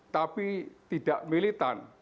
tapi tidak militan